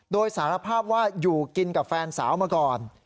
โดยสารภาพว่าอยู่กินกับแฟนสาวมาก่อน